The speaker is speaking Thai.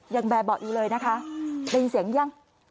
แบร์เบาะอยู่เลยนะคะได้ยินเสียงยัง